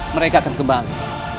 mereka akan kembali